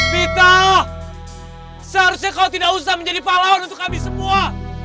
pita seharusnya kau tidak usah menjadi pahlawan untuk kami semua